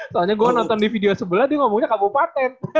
soalnya gue nonton di video sebelah dia ngomongnya kabupaten